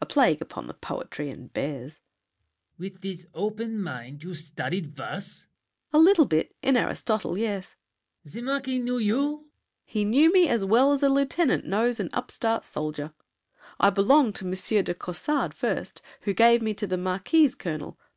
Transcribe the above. A plague upon the poetry and bears! LAFFEMAS. With this hope in your mind you studied verse? SAVERNY. A little bit, in Aristotle. Yes— LAFFEMAS. The Marquis knew you? SAVERNY. He knew me as well As a lieutenant knows an upstart soldier. I belonged to Monsieur de Caussade first, Who gave me to the Marquis' colonel.